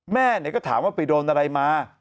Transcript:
แม่ก็ถามว่าไปโดนอะไรมา